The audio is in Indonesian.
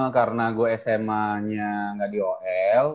karena gue sma nya nggak di ol